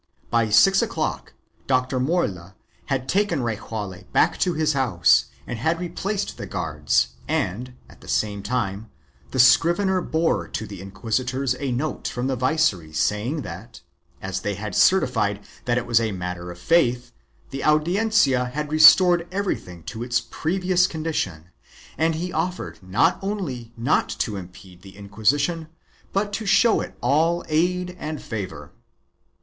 By six o'clock Dr. Morla had taken Rejaule back to his house and had replaced the guards and, at the same time, the scrivener bore to the inquisitors a note from the viceroy saying that, as they had certified that it was a matter of faith, the Audiencia had restored everything to its previous condition and he offered not only not to impede the Inquisition but to show it all aid and favor.